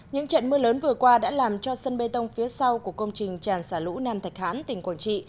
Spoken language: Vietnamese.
những trận mưa lớn vừa qua đã làm cho sân bê tông phía sau của công trình tràn xả lũ nam thạch hãn tỉnh quảng trị